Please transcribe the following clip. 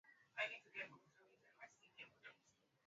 tunajaribu kutengeneza miundo mbinu hapa na pale